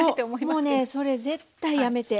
もうねそれ絶対やめて。